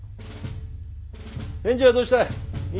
返事はどうしたい？